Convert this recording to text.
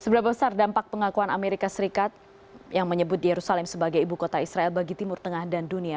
seberapa besar dampak pengakuan amerika serikat yang menyebut yerusalem sebagai ibu kota israel bagi timur tengah dan dunia